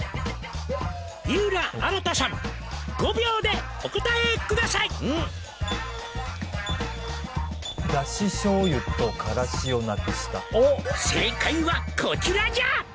「井浦新さん５秒でお答えください」「正解はこちらじゃ」